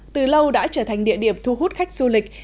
từ lâu đã trở thành địa điểm thu hút khách du lịch